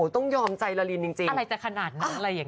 ต้องยอมใจละลินจริงอะไรจะขนาดนั้นอะไรอย่างนี้